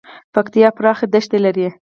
پکتیکا پراخه دښتې لري